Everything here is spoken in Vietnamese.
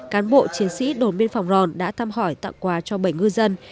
cán bộ chiến sĩ đồn biên phòng ròn đã thăm hỏi tặng quà cho bảy ngư dân